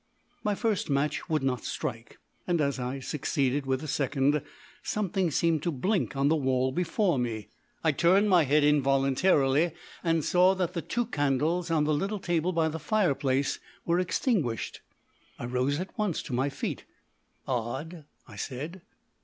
My first match would not strike, and as I succeeded with the second, something seemed to blink on the wall before me. I turned my head involuntarily, and saw that the two candles on the little table by the fireplace were extinguished. I rose at once to my feet. "Odd!" I said.